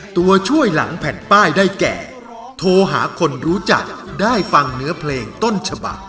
ตัวช่วยหลังแผ่นป้ายได้แก่โทรหาคนรู้จักได้ฟังเนื้อเพลงต้นฉบัก